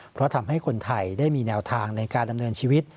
เพราะทำให้คนไทยได้มีแนวทางในการดำเนินชีวิต